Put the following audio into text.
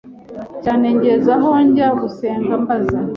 cyane ngeze aho njya gusenga mbaza